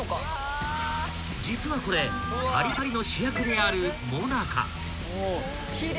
［実はこれパリパリの主役であるモナカ］